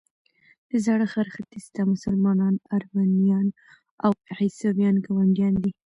د زاړه ښار ختیځ ته مسلمانان، ارمنیان او عیسویان ګاونډیان دي.